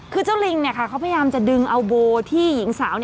คือเจ้าลิงเขาพยายามจะดึงเอาโบที่หญิงสาว